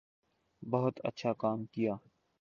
بہت اچھا کام کیا